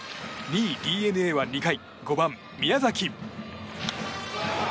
２位、ＤｅＮＡは２回５番、宮崎。